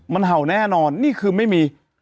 มันเห่าแน่นอนนี่คือไม่มี